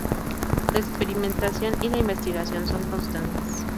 La experimentación y la investigación son constantes.